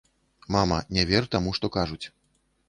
Мама, не вер таму, што кажуць.